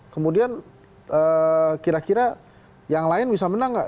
kemudian kira kira yang lain bisa menang nggak